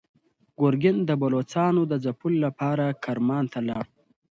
ګورګین د بلوڅانو د ځپلو لپاره کرمان ته لاړ.